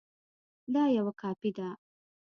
دا یوه کاپي ده